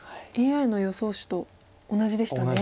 ＡＩの予想手と同じでしたね。